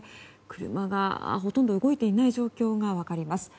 車がほとんど動いていない状況が分かります。